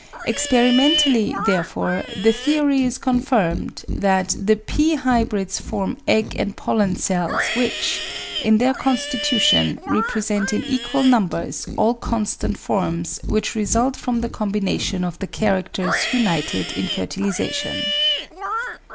APPENDIX 337 Experimentally, therefore, the theory is confirmed that the pea hybrids form egg and pollen cells which, in their constitution, represent in equal numbers all constant forms which residt from the combination of the characters united in fertilisation.